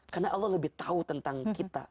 karena allah lebih tahu tentang kita